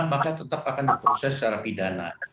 maka tetap akan diproses secara pidana